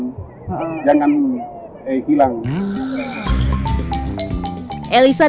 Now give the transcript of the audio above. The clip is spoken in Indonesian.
elisa dan keluarganya tidak pernah absen mengikuti kegiatan snapmort setiap tahun